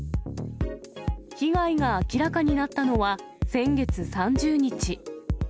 被害が明らかになったのは、先月３０日。